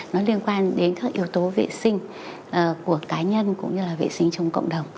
nó liên quan đến các yếu tố vệ sinh của cá nhân cũng như là vệ sinh trong cộng đồng